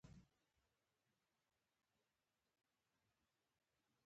لیکوال فقهي بحث ته نه ورننوځي